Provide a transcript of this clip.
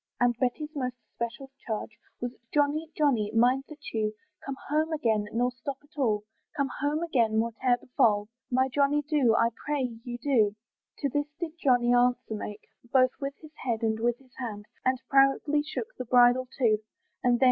And Betty's most especial charge, Was, "Johnny! Johnny! mind that you "Come home again, nor stop at all, "Come home again, whate'er befal, "My Johnny do, I pray you do." To this did Johnny answer make, Both with his head, and with his hand, And proudly shook the bridle too, And then!